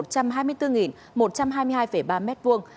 và tổng diện tích là một trăm hai mươi bốn một trăm hai mươi hai ba m hai